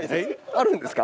あるんですか？